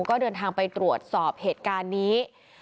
ก็เดินทางไปตรวจสอบเหตุการณ์นี้